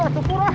aduh pur ah